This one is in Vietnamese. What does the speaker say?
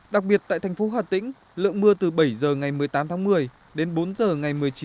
đặc biệt tại thành phố hà tĩnh lượng mưa từ bảy h ngày một mươi tám tháng một mươi đến bốn h ngày một mươi chín h